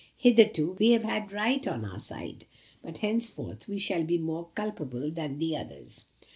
Hitherto we have had right on our side, but henceforth we shall be more culpable than the others."